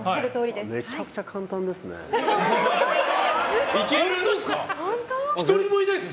めちゃくちゃ簡単ですね。